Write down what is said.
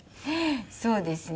そうですね。